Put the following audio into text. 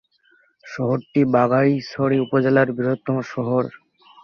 শহরটি বাঘাইছড়ি উপজেলার বৃহত্তম শহর।